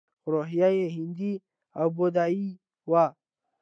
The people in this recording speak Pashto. خو روحیه یې هندي او بودايي وه